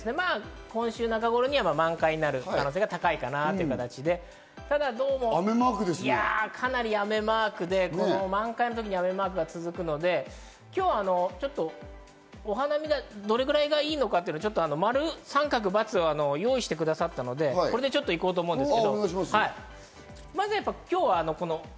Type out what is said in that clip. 今週中頃には満開になる可能性が高いかなという感じですが、かなり雨マークで、満開の時に雨マークが続くので、今日ちょっと、お花見がどれくらいがいいのかっていうのを、丸・三角・バツを用意してくださったので、これでちょっと行こうと思います。